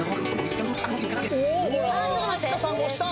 おお飛鳥さん押した！